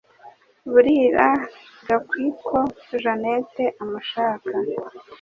Burira gakwi ko jeanette amushaka.